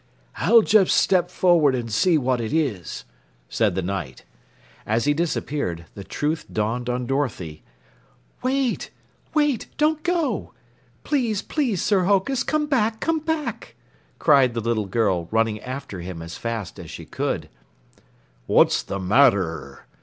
"I'll just step forward and see what it is," said the Knight. As he disappeared, the truth dawned on Dorothy. "Wait! Wait! Don't go! Please, please, Sir Hokus, come back, come back!" cried the little girl, running after him as fast as she could. "What's the matter?"